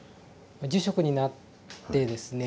住職になってですね